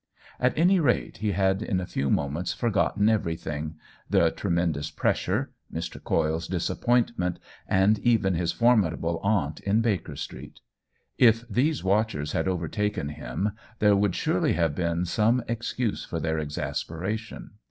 At any rate, he had in a few mo ments forgotten everything — the tremend ous pressure, Mr. Coyle*s disappointment, and even his formidable aunt in Baker Street. If these watchers had overtaken him there would surely have been some ex cuse for their exasperation.